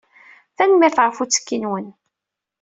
Tanemmirt ɣef uttekki-nwen.